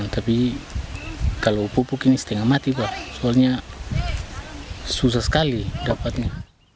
tapi kalau pupuk ini setengah mati pak soalnya susah sekali dapatnya